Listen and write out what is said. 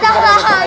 jangan jangan jangan